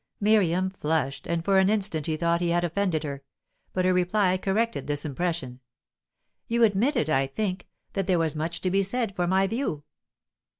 Miriam flushed, and for an instant he thought he had offended her. But her reply corrected this impression. "You admitted, I think, that there was much to be said for my view."